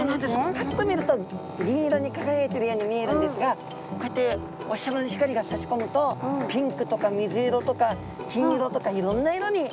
パッと見ると銀色に輝いているように見えるんですがこうやってお日さまの光がさし込むとピンクとか水色とか金色とかいろんな色に。